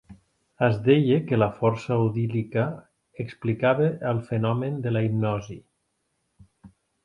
Es deia que la força odílica explicava el fenomen de la hipnosi.